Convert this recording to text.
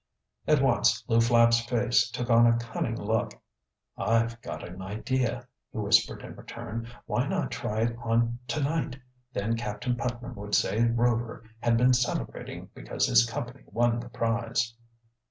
At once Lew Flapp's face took on a cunning look. "I've got an idea," he whispered in return. "Why not try it on to night? Then Captain Putnam would say Rover had been celebrating because his company won the prize."